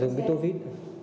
dùng cái tô vít